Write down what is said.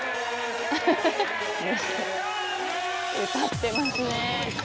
歌ってますね。